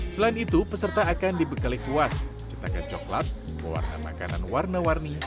selain itu peserta akan dibekali kuas cetakan coklat warna makanan warna warni